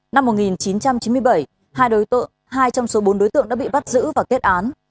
năm một nghìn chín trăm chín mươi bảy hai đối tượng hai trong số bốn đối tượng đã bị bắt giữ và kết án